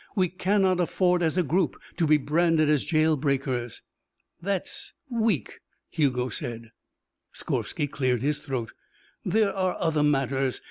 We cannot afford as a group to be branded as jail breakers." "That's weak," Hugo said. Skorvsky cleared his throat. "There are other matters.